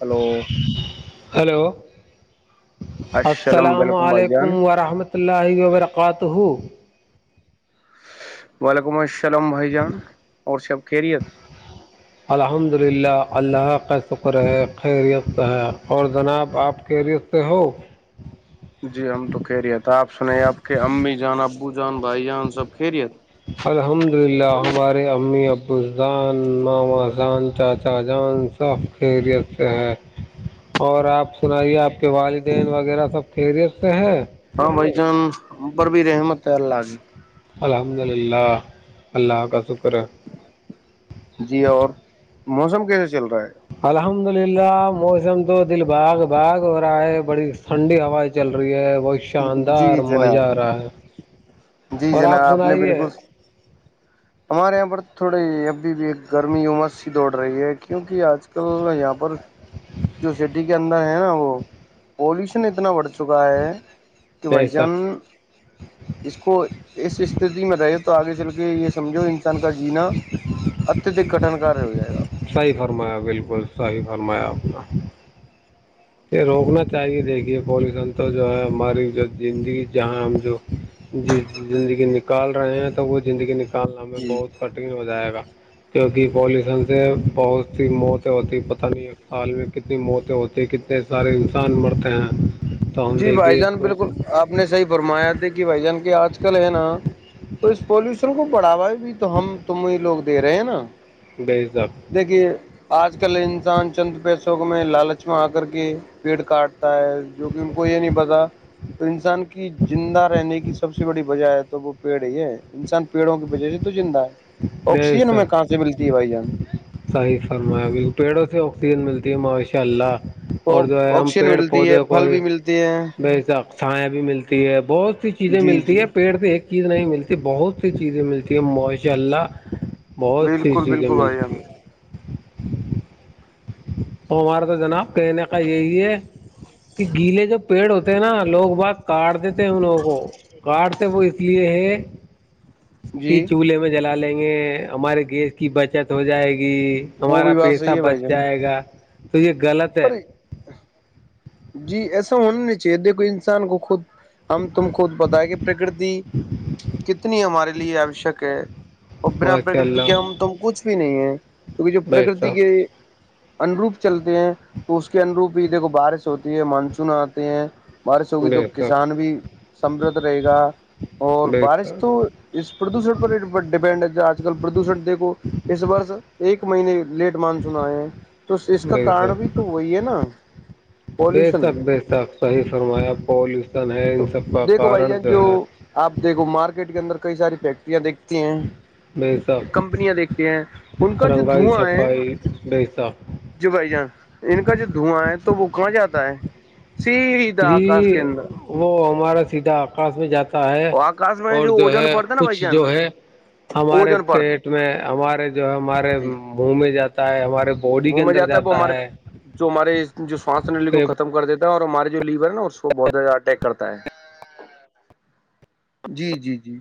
hello hello السلام علیکم ورحمۃ اللہ وبرکاتہ وعلیکم السلام بھائی جان اور سب کہہریت الحمد للہ اللہ کا شکر ہے خیریستت ہے اور جناب آپ کے ریست س جی ہم تو کہہ رہیے تھ آپ سنے آپ کے امی جان ابو جان بھائی جان سب کہہ رہی الحمد للہ ہمارے امی ابوسدان ماما ان چاچا جان ساخ خیریت سے ہے اور آپ سنائیے آپ کے والدین وغیرہ سب خیریت سے ہے ہاں بھائی چان بر بھی رحمت ہے اللہ جی الحمد للہ اللہ کا شکر ہے جی اور موسم کیسے چل رہا ہے الحمد للہ موسم تو دل باغ باغ ہو رہا ہے بڑی ٹھنڈی ہوائیں چل رہی ہے ب ہے شاندار جی مزہ آ جناب رہا ہے جی اور جناب آپ نے سنائیے [inaudible] ہمارے یہاں پر تھوڑے ابھی بھی ایک گرمی امس سی دوڑ رہی ہے کیونکہ آج کل یہاں پر جو سٹی کے اندر ہے نا وہ پولوشن اتنا بڑھ چکا ہے تو بائی یہی جن سب اس کو اس استھتی میں رہے تو آگے چل کے یہ سمجھو تن کاا جینا اتدک کٹن کرار ہو جائے گا صحیح فرمایا بالکل صحیح فرمایا آپنا یہ روکنا چاہیے دیکھیے پالوشن تو جو ہے ہماری جو زندگی جہاں ہم جو ج زندگی نکال رہے ہیں تو وہ زندگی نکالنا میں جی بہت کٹن ہو جائے گا کیوںکہ پالشن سے بہت سی موت ہوتی پتہ نہیں سال میں کتنی موتیں ہوتی ہے کتنے سارے انسان مرتے ہیں تو ہم جی بھائی دیکھیے اس جان کو بالکل آپ نے صحیح فرمایا تھے کہ بھائی جان کہ آج کل ہے نا تو اس پولوشن کو بڑھاوا ہے بھی تو ہم تم یہ لوگ دے رہے ہیں نا بیزاب دیکھیے آج کل انسان چند پیسوک میں لالچ میں آ کر کے پیٹ کاٹتا ہے جو کہ ان کو یہ نہیں پتا تو انسان کی زندہ رہنے کی سب سے بڑی وجہ ہے تو وہ پیڑ یہ انسان پیڑوں کی وجہ سے تو زندہ ہے بے آکسیجن میں شک کہاں سے ملتی ہے بھائی جان صحیح فرمایا ب پیڑوں سے آکسیجن ملتی ہے ماشاء اللہ اور جو ہے ہم آکسیجن پیڑ ملتی ہے پودے کو پھل ہی بھی ملتے ہیں بھیچ سکتے سھائیایں بھی ملتی ہے بہت سی چیزیں جی ملتی جی ہے پیڑ سے ایک چیز نہیں ملتی بہت سی چیزیں ملتی ہیں ماشاء اللہ بہت سی بالکل چیزیں بالکل بھائی جان ملتی ہیں ہم ہمارے تو جناب کہنے کا یہی ہے کہ گیلے جب پیڑ ہوتے ہیں نا لوگ بات کاٹ دیتے ہیں ان لوگوں کو کاٹتے وہ اس لیے ہے کہ جی چولہے میں جلا لیں گے ہمارے گیس کی بچت ہو جائے گی وہ بھی ہمارا بات صحیح پیسہ ہے بھائی بچ جان جائے گا تو یہ غلط ہے پر جی ایسا ہونا نہیں چاہیے دیکھو انسان کو خود ہم تم خود بت ہے کہ پرکرتی کتنی ہمارے لیے آوشک ہے اور بنا ماشاء پرکتی کے ہم اللہ ت ہم کچھ بھی نہیں ہے کیکہ جو بے پرکرتی کے شک انوروپ چلتے ہیں تو اس کے انوروپ ہی دیکھو بارش ہوتی ہے مانسون آتے ہیں بارش ہوگی تو بے کسان شک بھی سمرھ رہے گا اور بے بارش تو شک پردوشن پر ہی ڈیپینڈ ہے ج آج کل پردوشن دیکھو اس ورس ایک مہینے لیٹ مان سنا ہے تو اس کا بے کار شک بھی تو وہی ہے نا بے پالوشن تک بے تک صحیح فرمایا پالوشن ہے تو ان سب کا دیکھو بھائی کارن جان جو ہے آپ دیکھو مارکیٹ کے اندر کئی ساری فیکٹریاں دیکھتی بے ہیں شک کمپنیاں دیکھتے ہیں ان کا جو رنگائی دھواں ہے چھپائی بے شک جو بھائی جان ان کا جو دھواں ہے تو وہ کہاں جاتا ہے س آکاش جی کیندر وہ ہمارا سیدھا آکاش میں جاتا ہے اور آکاش میں اور جو اوجن ہے پڑتا نا بھائی کچھ جان جو ہے ہمارے اوجن پڑتا پیٹ میں ہمارے جو ہمارے جی منہ میں جاتا ہے ہمارے باڈی کے منہ میں اندر وہ جاتا ہمارے ہے جو ہمارے جو سواس ن کو پھر ختم کر دیتا ہے اور ہمارے جو لیور نا اس کو بہت زیادہ اٹیک کرتا ہے ہے جی جی جی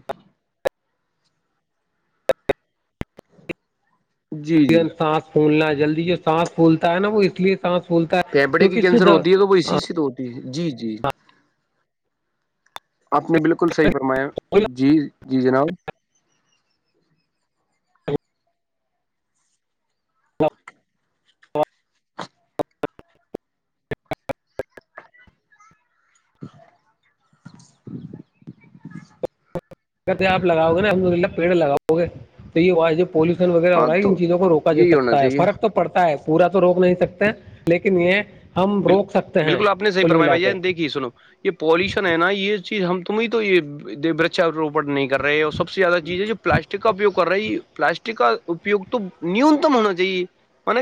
جی جی سانس پھولنا ہے جلدی جو سانس پھولتا ہے نا وہ اس لیے سانس پھولتا ہے پیپڑے کیونکہ اس کینسر سے ہوتی ہے تو وہ اسی سے تو ہوتی ہے جی جی آپ نے بالکل صحی فرمایا جی جی جناب [inaudible] کہتے آپ لگؤےا ہم للہ پیڑ لگاؤ گے تو یہ آوج پولوشن وغیرہ ہو ہاں رہا ہے ان تو چیز کو روا یہی ہونا سکتا ہے چاہیے فرق تو پڑتا ہے پورا تو روک نہیں سکتے لیکن یہ ہم روک سکتے ہیں بالکل آپ نے صحی کل فرمایا ملا بھائی کے دیکھیے سنو یہ پالوشن ہے نا یہ چیز ہم تمہیں تو یہ وچھاروپن نہیں کر رہے اور سب سے زیادہ چیز ہے جو پلاسٹک کا اپیوگ کر رہا پلاسٹک کا اپیوگ تو نیونتم ہونا چاہیے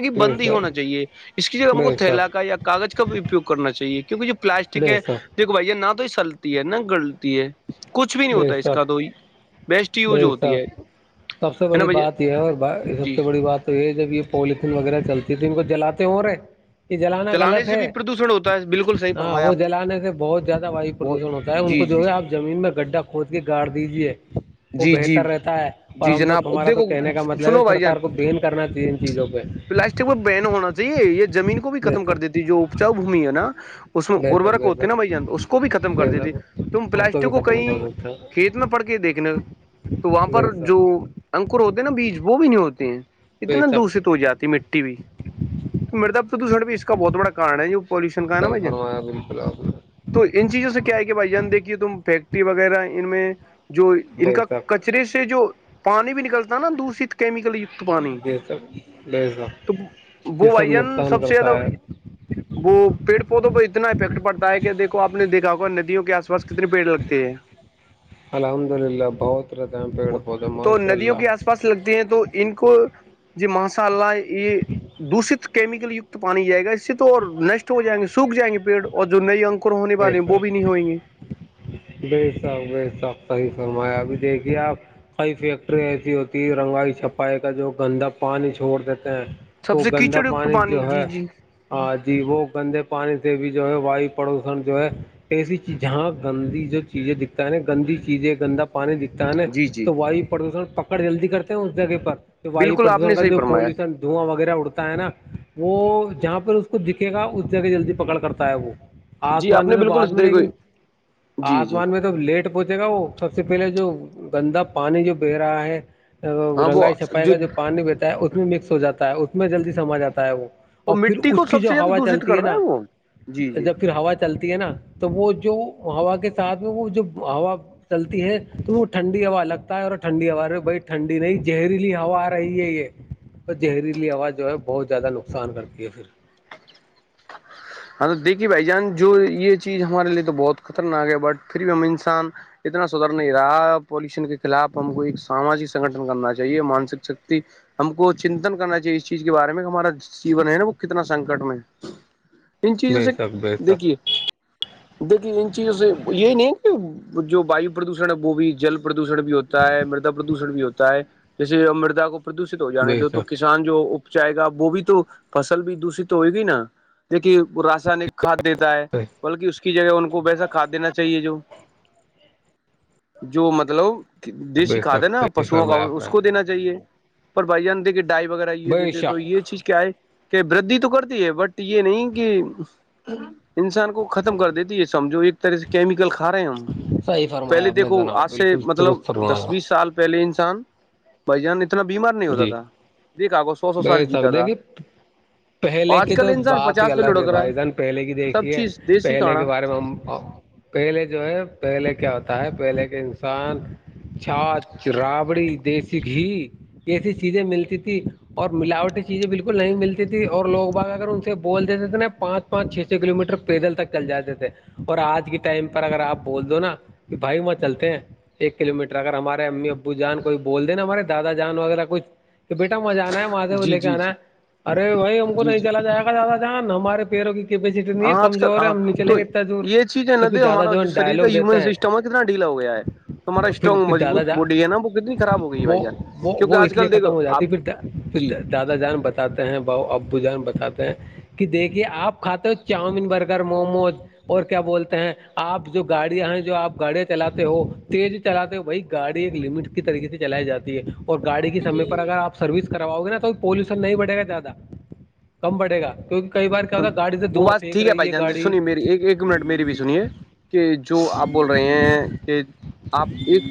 کہ بے بندی ہونا شک چاہیے اس کی ج ہم کو بے تھھیلا کا شک یا کاغذ کا اپیوگ کرنا چاہیے کیونکہ جو پلاسٹک بے ہے شک دھو بھیا نہ تو یہ سلتی ہے نہ گلتی ہے کچھ بھی نہیں بے ہوتا ہے اس شک کا تو ہی بیسٹ یوز بے ہوتی ہے شک سب سے ہے نا بڑی بھیا بات یہ ہے اور یہ سب جی سے بڑی بات تو یہ جب یہ پولیتھیین وغیرہ چلتی ہے تو ان کو جلاتے ہو رہے یہ جلانا چلانے غلط سے ہے بھی پردوشن ہوتا ہے بالکل صحیح ہاں فرمایا وہ آپ نے جلانے سے بہت زیادہ وائ بہت پردوشن ہوتا ہے ان جی کو جی جو ہے آپ زمین میں گڈھا کھود کے گاڑ دیجیے وہ جی جی بہتر رہتا ہے اور جی ہم تو جناب ہمارا تو دیکھو کہنے کا مطلب ہے سنو بھائی جان سرار کو بین کرنا چاہیے ان چیزوں پہ پلاسٹک بین ہونا چاہیے یہ زمین کو بھی بے ختم کر شک دیتی جو اپچاؤ بھمی ہے نا اس میں بے شک ارورک ہوتے نا بھائی جان اس کو بھی ختم بے شک کر بے دیتی شک تم اس پلاسٹک بھی کو ختم کر کہیں دیتے ہیں کھیت میں پڑھ کے دیکھنے تو وہاں بے پر جو شک انکر ہوتے ہیں نا بیج وہ بھی نہیں ہوتے ہیں بے اتنا شک دشت ہو جاتی مٹی و مردا پردوشن بھی اس کا بہت بڑا کارن ہے جو پلیوشن کا نا صحیح بچن فرمایا بالکل آپ نے تو ان چیزوں سے کیا ہے کہ بھائی ج دیکھیے تم فیکٹری وغیرہ ان میں جو ان بے کا شک ک کچرے سے جو پانی بھی نکلتا نا دوشت کیمیکل ت پانی بے شک بے شک تو گ یہ سب وائی جان نقصان سب سے کرتا زیادہ ہے [unintelligible] وہ پیڑ پودوں پر اتنا افیکٹ پڑتا ہے کہ دیکو آپ نے دیکھا ہوگا ندیوں کے آس پاس کتنے پیڑ لگتے ہیں الحمد للہ بہتر تمپ ہڈبہود موسی ال س لگتی ہیں تو ان کو یہ ماشاء اللہ یہ دوشت کیمیکل کت پانی جائے گا اس سے تو نشٹ ہو جائیں گے سوکھ جائیں گے پیڑ اور جو نئی اک ہونے بے والے ہیں وہ شک بھی نہیں ہویں گے بے شک بے شک صحیح فرمایا ابھی دیکھیے آپ کئی فیکٹریاں ایسی ہوتی ہے رنگائی چھپائی کا جو گندا پانی چھوڑ دیتے ہیں سب وہ سے گندا کیچڑ یکت پانی جو جی ہے جی ہاں جی وہ گندے پانی سے بھی جو ہے وایو پردوشن جو ہے ایسی چیز جہاں گندی چیزیں دکھتا ہے نا گندی چیزیں گندا پانی دکھتا ہے نا جی جی تو وایو پردوشن پکا جلدی کرتے ہیں اس جگہ پر واو بالکل آپ نے پردوشن کا صحیح جو فرمایا پالوشن دھواں وغیرہ اڑتا ہے نا وہ جہاں پہ اس کو دکھے گا اس جگہ جلدی پکڑ کرتا ہے وہ جی آسمان آپ نے تو بعد بالکل میں دیکھو لیکن جی جی آسمان میں تو لیٹ پہنچے گا وہ سب سے پہلے جو گندا پانی جو ب رہا ہے ہاں وہ رنگائی چھپائی کا جو پانی بیتا ہے اس میں مکس ہو جاتا ہے اس میں جلدی سما جاتا ہے وہ اور پھر مٹی کو اس کی سب جو سے زیادہ ہوا دشت چلتی ہے کرتا نا وہ جی جی جب پھر ہوا چلتی ہے نا تو وہ جو ہوا کے ساتھ میں وہ جو ہا چلتی ہے تو وہ ٹھنڈی ہوا لگتا ہے اور ٹھنڈی ہوا بھائی ٹھڈی نہیں زہریلی ہوا آ رہ رہی ہے یہ زہریلی آواز جو ہے بہت زیادہ نقصان کرتی ہے پھر [unintelligible] ہاں تو دیکھیے بھائی جان جو یہ چیز ہمارے لیے تو بہت خطرناک ہے بٹ پھر بھی ہم انسان اتنا سدھر نہیں رہا پولوشن کے خلاف ہم کو ایک ساماجک سنگھن کرنا چاہیے مانسک شکتی ہم کو چنتن کرنا چاہیے اس چیز کے بارے میں ہمارا جیون ہے نا وہ کتنا سنکٹ میں ان چیزوں بے سے شک بے دیکھیے شک دیکے ان چیزوں سے یہ نہیں ہے کہ جو وایو پردوشن ہے وہ بھی جل پردوشن بھی ہوتا ہے مردا پردوشن بھی ہوتا ہے جیسے مردا کو پردوشت ہو جانے بے تو تو شک کسان جو اپچائے گا وہ بھی تو فصل فل بھی دشت تو ہوئے گی نا دیک کہ راسانک کھاد دیتا ہے بلکہ اس کی جگہ ان کو ویسا کھاد دینا چاہیے جو جو مطلب دیسیی بے کھاد شک ہے نا صحیح پشوؤ کا فرمایا آپ اس نے کو دینا چاہیے پر بھائی جان دے کے ڈائی وغیرہ یہ بے دیتے تو یہ شک چیز کیا ہے کہ ودھی تو کرتی ہے بٹ یہ نہیں کہ انسان کو ختم کر دیتی ہے سمجھو ایک طرح سے کیمیکل کھا رہے ہیں ہم صحیح فرمایا پہلے آپ نے دیکھو جناب آج سے بالکل مطلب درست دس فرمایا بیس سال پہلے انسان بھائی جان اتنا بیمار نہیں ہوتا جی تھا دیکھاگو سو سو بے سال جیتا شک تھا دیکھیے پہلے آج کی کل تو انسان بات ہی پچاس پہ الگ ہے لڑک رہا بھائی جان پہلے کی سب دیکھی ہے چیز دیسی پہلے کھانا کے بارے میں ہم پہلے جو ہے پہلے کیا ہوتا ہے پہلے کے انسان چھات رابڑی دیسی گھی ایسی چیزیں ملتی تھی اور ملاوٹی چیزیں بالکل نہیں ملتی تھی اور لوگ با اگر ان سے بول دیتے تھے نا پانچ پانچ چھ چھ کلو میٹر پیدل تک چل جاتے تھے اور آج کے ٹائم پر اگر آپ بول دو نا کہ بھائی وہاں چلتے ہیں ایک کلو میٹر اگر ہمارے امی ابو جان کوئی بول دا ہمارے دادا جان وغیرہ کچھ بیٹا مجھان آنا ہے مادیو جی لے کے جی آنا ہے جی ارے وہھائی ہم کو جی نہیں جی چلا جائے گا زیادہ جان ہمارے پیروں کی کیپیسٹی نہیں ہے ہاں آج کل کمزور ہے ہاں ہم نلیں تو گے اتنا دور یہ تو پھر دادا جو ہے ہم ڈائلوگ دیتے ہیں ر کتنا ڈھی ہویا ہے ہممارا اور پھر اسٹگ پھر دادا مجبوت جان باڈی ہے نا وہ کتنی خراب ہو گئی ہے بھائی وہ جان وہ کیک وہ آج اس لیے کل ختم دیکھو ہو آپ جاتی پھر جی پھر دادا جان بتاتے ہیں ب ابو جان بتاتے ہیں کہ دیکھیے آپ کھاتے ہو چاؤمین برگر موموز اور کیا بولتے ہیں آپ جو گاڑیاں ہیں جو آپ گاڑیاں چلاتے ہو تیز چلاتے ہو بھائی گاڑی ایک لمٹ کی طریق سے چلائی جاتی ہے اور گاڑی کی س آپ سروس کرواؤ گے نا تو پولوشن نہیں بڑے گا زیادہ کم بڑے گا کیک وہ بس ٹھیک ہے بھائی جان گاڑی سونی میری ایک ایک منٹ میری بھی سنیے کہ جو آپ بول رہے ہیں کہ آپ ایک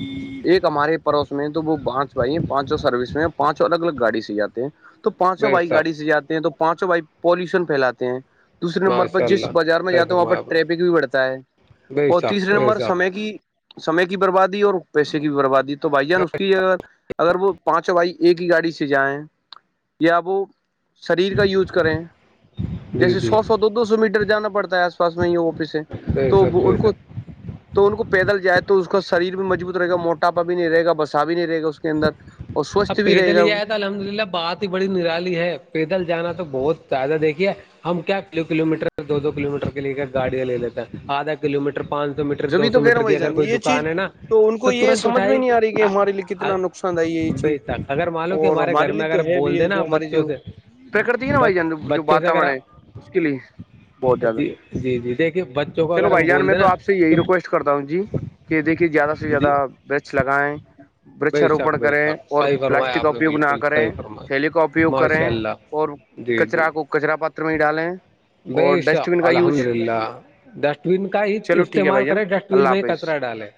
ایک ہمارے پڑوس میں تو وہ بانچ پائیے پانچو سروس میں پانچوں الگ الگ گاڑی سے جات ہیں تو پانچ سو بے بائی گاڑی سے صاحب جاتے ہیں تو پانچوں بائی پالوشن پھیلاتے ہیں دوسرے نمبر پرہ ماشاء جس اللہ بازار میں صحیح جاتے ہ وہاں پ پر فرمایا آپ نے ٹریفک بھی بڑھتا ہے بے اور شک تیسرے بے نمبر شک سمے کی سمے کی بربادی اور پیسے کی بھی بربادی تو بھائی جان اس کی ا اگر وہ پانچ بھائی ایک ہی گاڑی سے جائیں یا وہ شریر کا یوز کریں جی جیسے جی سو سو دو دو سو میٹر جانا پڑتا ہے آس پاس میں ہی آفس ہے بے تو شک بے ان کو شک تو ان کو پیدل جائے تو اس کا شریر بھی مجبوط رہے گا موٹاپا بھی نہیں رہے گا بسا بھی نہیں رہے گا اس کے اندر اور سوستھ اب بھی رہے پیدل گا ہی وہ جائے تو الحمد للہ بات ہی بڑی نرالی ہے پیدل جانا تو بہت زیادہ دیکھیے ہم کیا کلو میٹر دو کلو میٹر کے لیے کیا گاڑیاں لے لیتے ہیں آدھا کلو میٹر پانچ سو سو میٹر دو جبھی تو سو کہہ رہا میٹر ہوں کی بھائی اگر جان کوئی یہ چیز دکان ہے نا ان تو کو یہ ترنت سمجھ میں اٹھائی نہیں آ رہی کہ ہمارے لیے کتنا نقصان دہ ہے یہ بے چیز تک اگر معلوم کہ ہمارے گھر میں اگر بول دیں نا بچوں سے پکٹتی ہے نا بھائی جان جو بچوں سے اگر واتاورن ہے آپ اس کے لیے بہت زیادہ جی جی جی دیکھیے بچوں کو چلو اگر بھائی ہم جان بول میں دیں تو نا آپ سے یہی کہ ریکویسٹ کرتا ہوں جی کہ دیکھیے زیادہ سے جی زیادہ ورچ لگائیں ورچ بے شک روپن بے کریں شک اور صحیح فرمایا پلاسٹک کا آپ نے اپیوگ نہ بالکل کریں صحیح تھیلی فرمایا کا اپیوگ کریں ماشاء اللہ اور کچرا کو کچرا پاتر میں ڈالیں اور بسا ڈسٹ بن کا الحمد یوز للہ ٹول کا ہی چلو ٹھیک ہے استعمال بھائی جان کرے جس ٹول اللہ میں ہی حافظ کچرا ڈالے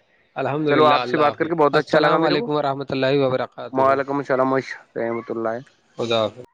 الحمد چلو للہ آپ سے اللہ بات کر کے بہت حافظ اچھا لگا السلام میرے کو علیکم لیکم و رحمۃ اللہ وبرکاتہ وعلیکم السلام رحمۃ اللہ خدا حافظ